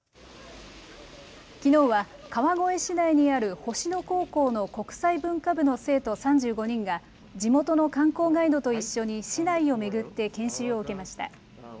きのうは川越市内にある星野高校の国際文化部の生徒３５人が地元の観光ガイドと一緒に市内を巡って研修を受けました。